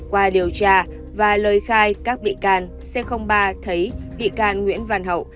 qua điều tra và lời khai các bị can c ba thấy bị can nguyễn văn hậu